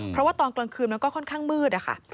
เพราะว่าตอนกลางคืนมันก็ค่อนข้างมืดนะคะ